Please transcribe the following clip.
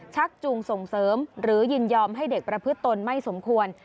ชักจูงส่งเสริมหรือยินยอมให้เด็กประพฤติตนไม่สมควร